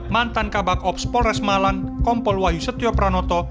mantan kabak ops polres malang kompol wahyu setio pranoto